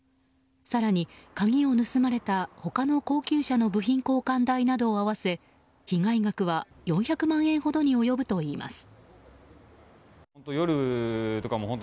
更に、鍵を盗まれた他の高級車の部品交換代などを合わせ被害額は４００万円ほどに及ぶといいます。